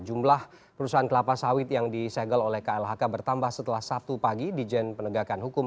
jumlah perusahaan kelapa sawit yang disegel oleh klhk bertambah setelah sabtu pagi dijen penegakan hukum